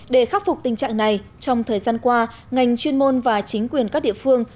để khắc phục tình trạng này trong thời gian qua ngành chuyên môn và chính quyền các địa phương